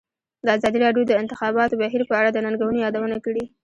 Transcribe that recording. ازادي راډیو د د انتخاباتو بهیر په اړه د ننګونو یادونه کړې.